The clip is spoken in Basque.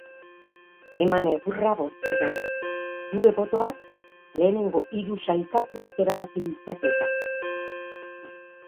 Eman egurra bozketari, zure botoak lehenengo hiru sailkatuak erabaki ditzake eta!